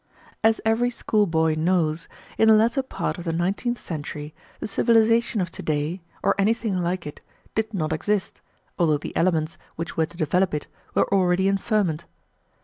As every schoolboy knows, in the latter part of the nineteenth century the civilization of to day, or anything like it, did not exist, although the elements which were to develop it were already in ferment.